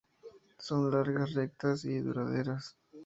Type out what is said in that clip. Son largas, rectas y duraderas.